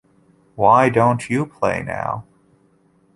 Why don't you play now?